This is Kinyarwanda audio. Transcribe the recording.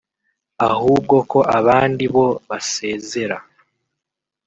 ahubwo ko abandi bo basezera